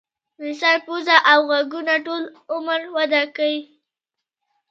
د انسان پوزه او غوږونه ټول عمر وده کوي.